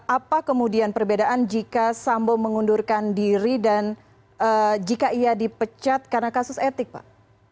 apa kemudian perbedaan jika sambo mengundurkan diri dan jika ia dipecat karena kasus etik pak